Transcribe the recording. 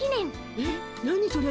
えっ何それ？